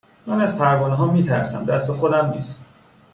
من از پروانهها میترسم دست خودم نیست